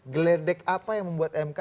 geledek apa yang membuat mk